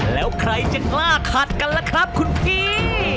แล้วใครจะกล้าขัดกันล่ะครับคุณพี่